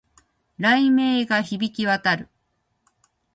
雷鳴が響き渡る